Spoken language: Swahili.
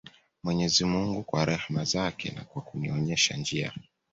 Mwenyezi mungu kwa rehma zake na kwa kunionyesha njia